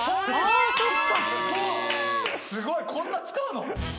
すごいこんな使うの？